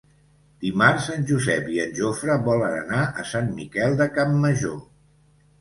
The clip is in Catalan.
Dimarts en Josep i en Jofre volen anar a Sant Miquel de Campmajor.